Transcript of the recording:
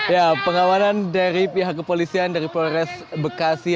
ya pengamanan dari pihak kepolisian dari polres bekasi